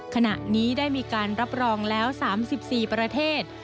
ขณะนี้ได้มีการรับรองแล้ว๓๔ประเทศ